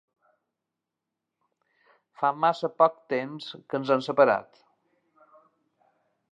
Fa massa poc temps que ens hem separat.